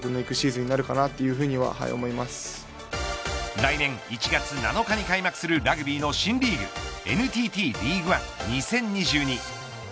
来年１月７日に開幕するラグビーの新リーグＮＴＴリーグワン２０２２。